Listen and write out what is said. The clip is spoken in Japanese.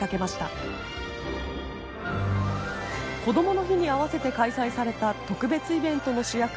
こどもの日に合わせて開催された特別イベントの主役は子どもたち。